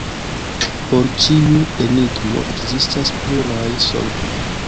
Por ĉiu enigmo ekzistas pluraj solvoj.